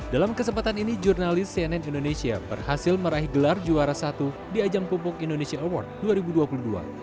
dalam kesempatan ini jurnalis cnn indonesia berhasil meraih gelar juara satu di ajang pupuk indonesia award dua ribu dua puluh dua